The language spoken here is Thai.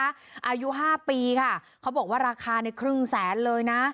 อายุ๕ปีค่ะเขาบอกว่าราคาในครึ่งแสนเลยนะ